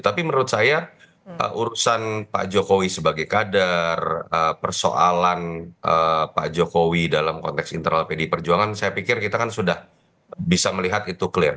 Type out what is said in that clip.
tapi menurut saya urusan pak jokowi sebagai kader persoalan pak jokowi dalam konteks internal pdi perjuangan saya pikir kita kan sudah bisa melihat itu clear